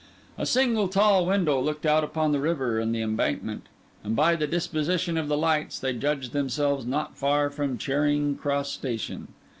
A single tall window looked out upon the river and the embankment; and by the disposition of the lights they judged themselves not far from Charing Cross station.